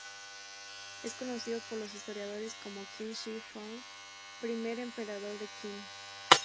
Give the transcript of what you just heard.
Es conocido por los historiadores como Qin Shi Huang, "Primer emperador de Qin".